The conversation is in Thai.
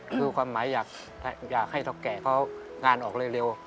คือความหมายอยากให้เท่าแก่เขางานออกเร็ว